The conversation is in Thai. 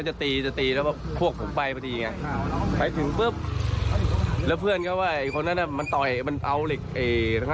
นี่ไงนี่ไงคือฝั่งวินบอกนะ